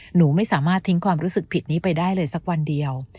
หนูไม่สามารถทิ้งความรู้สึกผิดนี้ไปได้เลยสักวันเดียว